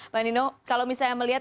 bang dino kalau misalnya melihat